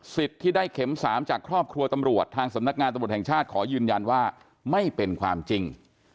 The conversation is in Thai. ที่ได้เข็ม๓จากครอบครัวตำรวจทางสำนักงานตำรวจแห่งชาติขอยืนยันว่าไม่เป็นความจริง